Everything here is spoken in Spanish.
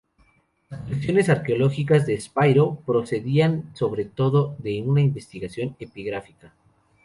Las colecciones arqueológicas de Spiro procedían sobre todo de una investigación epigráfica.